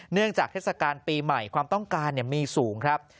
เนื่องจากเทศกาลปีใหม่ความต้องการมีสูงครับ